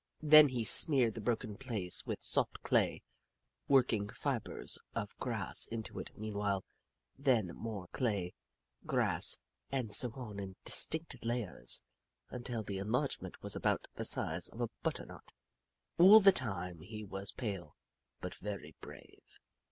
Then he smeared the broken place with soft clay, work ing fibres of grass into it meanwhile, then more clay, grass, and so on in distinct layers until the enlargement was about the size of a butternut. All the time he was pale, but very brave.